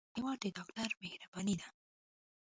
هېواد د ډاکټر مهرباني ده.